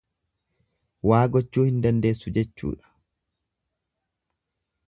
Waa gochuu hin dandeessu jechuudha.